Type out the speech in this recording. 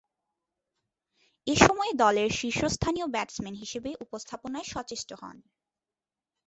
এ সময়ে দলের শীর্ষস্থানীয় ব্যাটসম্যান হিসেবে উপস্থাপনায় সচেষ্ট হন।